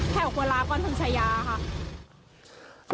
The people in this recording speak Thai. แถวฮัวลาก่อนถึงชายาค่ะ